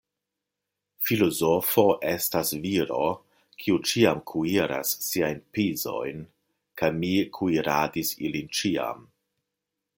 Filozofo estas viro, kiu ĉiam kuiras siajn pizojn, kaj mi kuiradis ilin ĉiam.